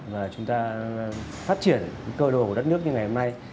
và chúng ta phát triển cơ đồ của đất nước như ngày hôm nay